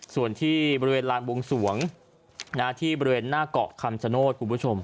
ส่วนที่บริเวณลานบวงสวงที่บริเวณหน้าเกาะคำชโนธคุณผู้ชม